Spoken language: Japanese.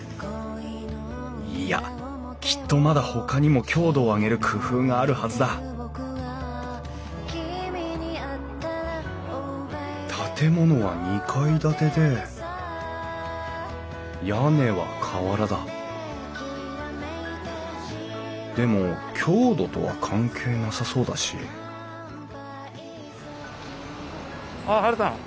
いやきっとまだほかにも強度を上げる工夫があるはずだ建物は２階建てで屋根は瓦だでも強度とは関係なさそうだしあっハルさん。